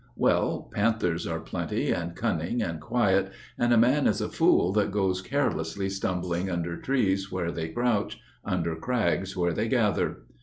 Well, panthers are plenty and cunning and quiet, And a man is a fool that goes carelessly stumbling Under trees where they crouch, under crags where they gather.